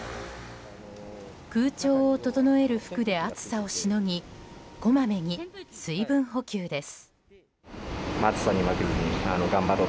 空調を整える服で暑さをしのぎこまめに水分補給です。